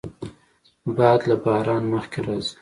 باد له باران مخکې راځي